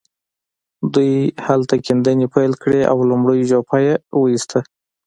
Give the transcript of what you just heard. دوی هلته کيندنې پيل کړې او لومړۍ جوپه يې وويسته.